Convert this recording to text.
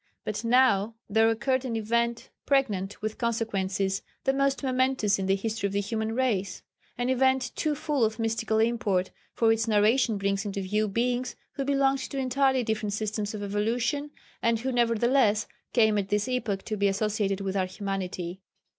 ] But now there occurred an event pregnant with consequences the most momentous in the history of the human race. An event too full of mystical import, for its narration brings into view Beings who belonged to entirely different systems of evolution, and who nevertheless came at this epoch to be associated with our humanity.